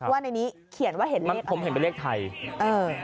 ว่าในนี้เขียนว่าเห็นไหมผมเห็นเป็นเลขไทยเออ